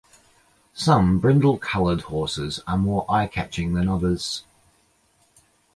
Some brindle-colored horses are more eye-catching than others.